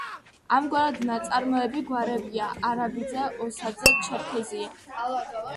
ამგვარად ნაწარმოები გვარებია: არაბიძე, ოსაძე, ჩერქეზია.